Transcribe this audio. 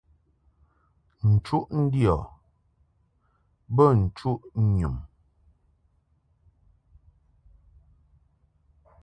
Nchuʼ ndiɔ bə nchuʼ nyum.